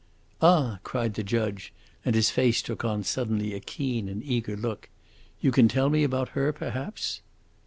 "Ah!" cried the judge; and his face took on suddenly a keen and eager look. "You can tell me about her perhaps?"